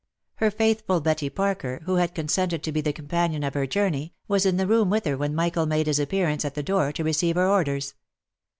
Her faithful Betty Parker, who had con sented to be the companion of her journey, was in the room with her •when Michael made his appearance at the door, to receive her orders.